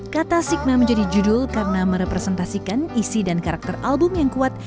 kata signa menjadi judul karena merepresentasikan isi dan karakter album yang kuat